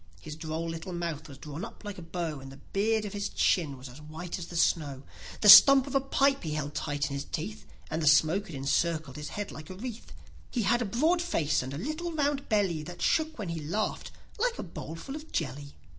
His droll little mouth was drawn up like a bow, And the beard of his chin was as white as the snow; he stump of a pipe he held tight in his teeth, And the smoke it encircled his head like a wreath; He had a broad face and a little round belly, That shook when he laughed, like a bowlful of jelly.